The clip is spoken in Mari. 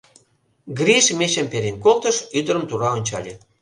Гриш мечым перен колтыш, ӱдырым тура ончале.